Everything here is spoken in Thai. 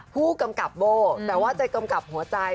ผู้กำกับโบ้แต่ว่าจะกำกับหัวใจ